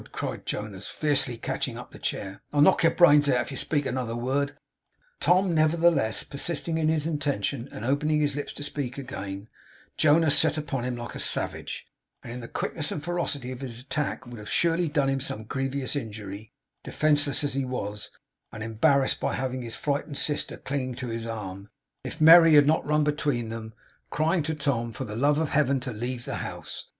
cried Jonas, fiercely catching up the chair, 'I'll knock your brains out, if you speak another word.' Tom, nevertheless, persisting in his intention, and opening his lips to speak again, Jonas set upon him like a savage; and in the quickness and ferocity of his attack would have surely done him some grievous injury, defenceless as he was, and embarrassed by having his frightened sister clinging to his arm, if Merry had not run between them, crying to Tom for the love of Heaven to leave the house.